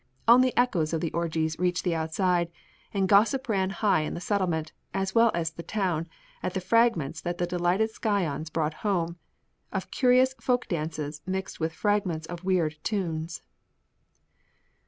Only echoes of the orgies reached the outside, and gossip ran high in the Settlement as well as the Town at the fragments that the delighted scions brought home, of curious folk dances mixed with fragments of weird tunes.